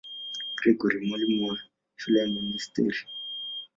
Gregori, mwalimu wa shule ya monasteri.